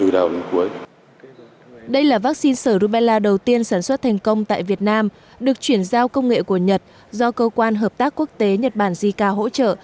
đây là vaccine sở rubella đầu tiên sản xuất thành công tại việt nam được chuyển giao công nghệ của nhật do cơ quan hợp tác quốc tế nhật bản jica hỗ trợ